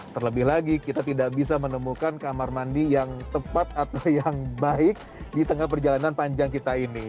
terlebih lagi kita tidak bisa menemukan kamar mandi yang tepat atau yang baik di tengah perjalanan panjang kita ini